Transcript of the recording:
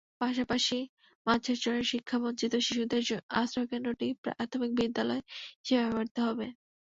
পাশাপাশি মাঝেরচরের শিক্ষাবঞ্চিত শিশুদের জন্য আশ্রয়কেন্দ্রটি প্রাথমিক বিদ্যালয় হিসেবে ব্যবহৃত হবে।